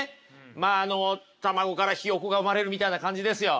まああの卵からひよこが生まれるみたいな感じですよ。